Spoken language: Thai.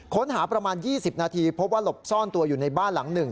ค้นหาประมาณ๒๐นาทีพบว่าหลบซ่อนตัวอยู่ในบ้านหลังหนึ่ง